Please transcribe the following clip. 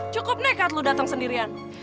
cukup nekat lu datang sendirian